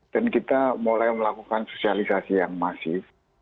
dan kita mulai melakukan sosialisasi yang masif